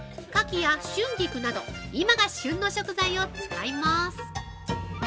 カキや春菊など、今が旬の食材を使います。